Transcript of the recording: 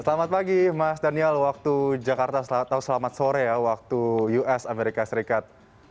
selamat pagi mas daniel waktu jakarta atau selamat sore ya waktu us amerika serikat